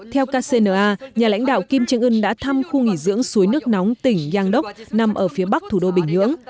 theo kcna nhà lãnh đạo kim jong un đã thăm khu nghỉ dưỡng suối nước nóng tỉnh giang đốc nằm ở phía bắc thủ đô bình nhưỡng